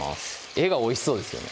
画が美味しそうですよね